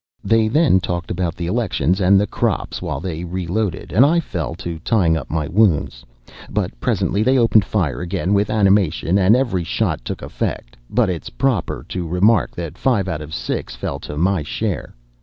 They then talked about the elections and the crops while they reloaded, and I fell to tying up my wounds. But presently they opened fire again with animation, and every shot took effect but it is proper to remark that five out of the six fell to my share.